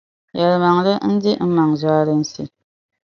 Yɛlimaŋli ndi n-maŋ zualinsi.